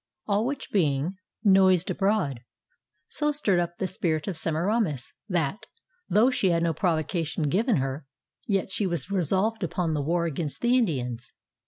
All which being 495 MESOPOTAMIA noised abroad, so stirred up the spirit of Semiramis that, though she had no provocation given her, yet she was resolved upon the war against the Indians.